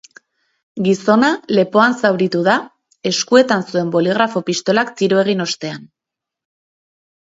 Gizona lepoan zauritu da eskuetan zuen boligrafo-pistolak tiro egin ostean.